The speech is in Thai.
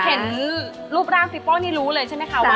เห็นรูปร่างปีโป้นี่รู้เลยใช่ไหมคะว่า